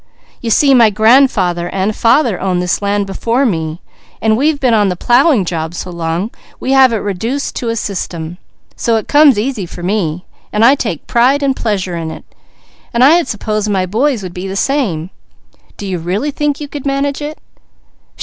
"You see my grandfather and father owned this land before me. We've been on the plowing job so long we have it reduced to a system, so it comes easy for me, and I take pride and pleasure in it; I had supposed my boys would be the same. Do you really think you could manage it?"